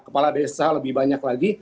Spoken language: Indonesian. kepala daerah ssa lebih banyak lagi